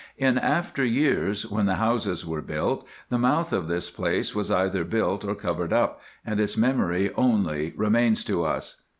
In after years, when the houses were built, the mouth of this place was either built or covered up, and its memory only remains to us.